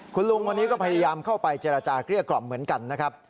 คุณลุงคนนี้ก็พยายามเข้าไปเจรจาเกลี้ยกล่อมเหมือนกันนะครับ